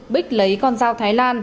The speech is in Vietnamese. bích lấy con dao thái lan